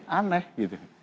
desa selama ini aneh